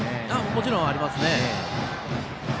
もちろんありますね。